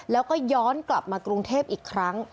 แล้วก็ย้อนกลับมากรุงเทพอีกครั้ง